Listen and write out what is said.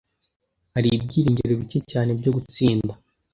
Hari ibyiringiro bike cyane byo gutsinda.